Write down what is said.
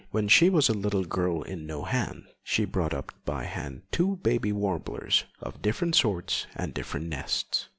When she was a little girl at Nohant, she brought up by hand two baby warblers of different sorts and different nests.